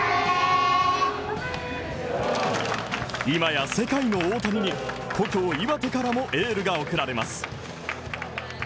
今や、世界の大谷に故郷・岩手からもエールが送られます。